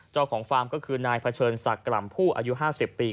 ฟาร์มก็คือนายเผชิญศักดิ์กล่ำผู้อายุ๕๐ปี